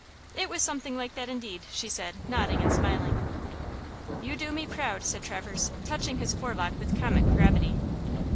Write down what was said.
"It was something like that, indeed," she said, nodding and smiling. "You do me proud!" said Traverse, touching his forelock with comic gravity.